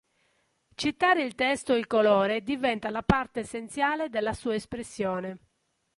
Citare il testo e il colore diventa la parte essenziale della sua espressione.